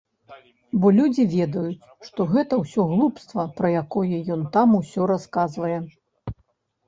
Бо людзі ведаюць, што гэта ўсё глупства, пра якое ён там усё расказвае.